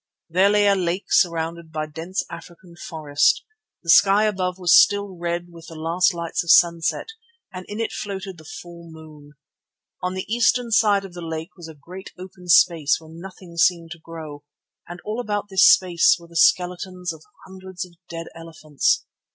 There lay a lake surrounded by dense African forest. The sky above was still red with the last lights of sunset and in it floated the full moon. On the eastern side of the lake was a great open space where nothing seemed to grow and all about this space were the skeletons of hundreds of dead elephants.